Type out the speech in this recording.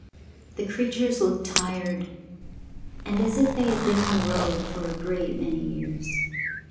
The creatures looked tired, and as if they had been on the road for a great many years.